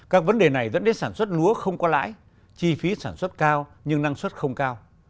các vấn đề này dẫn đến sản xuất lúa không có lãi chi phí sản xuất cao nhưng năng suất không cao